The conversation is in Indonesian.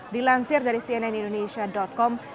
dilansir dari cnn indonesia com